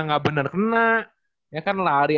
nggak benar kena ya kan lari